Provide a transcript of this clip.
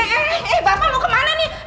eh eh eh bapak mau kemana nih